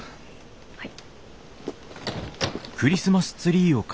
はい。